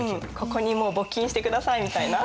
ここに募金してくださいみたいな。